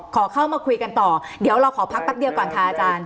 ขอเข้ามาคุยกันต่อเดี๋ยวเราขอพักแป๊บเดียวก่อนค่ะอาจารย์